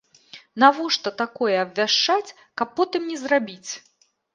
Навошта такое абвяшчаць, каб потым не зрабіць?